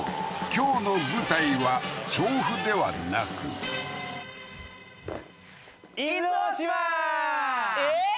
今日の舞台は調布ではなくええー？